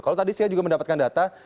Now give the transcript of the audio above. kalau tadi saya juga mendapatkan data